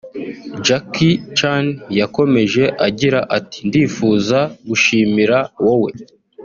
Jackie Chan yakomeje agira ati “ Ndifuza gushimira wowe